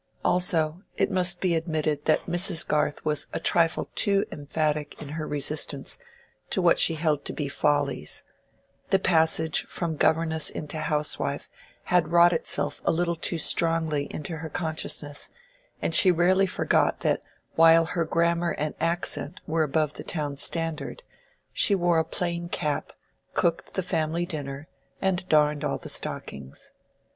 Also, it must be admitted that Mrs. Garth was a trifle too emphatic in her resistance to what she held to be follies: the passage from governess into housewife had wrought itself a little too strongly into her consciousness, and she rarely forgot that while her grammar and accent were above the town standard, she wore a plain cap, cooked the family dinner, and darned all the stockings.